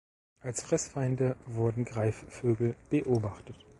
Als Fressfeinde wurden Greifvögel beobachtet.